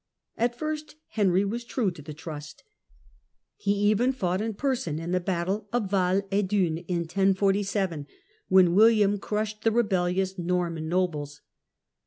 At first Henry was true to the trust. He even fought in person in the battle of Val es Dunes in 1047, when William crushed the rebellious Norman nobles.